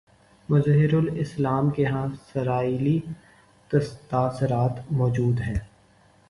مظہر الاسلام کے ہاں سرئیلی تاثرات موجود ہیں